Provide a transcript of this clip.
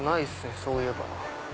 そういえば。